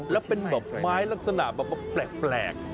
แล้วเป็นแบบไม้ลักษณะแบบแปลก